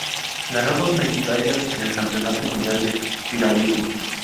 Ganó dos medallas en el Campeonato Mundial de Piragüismo.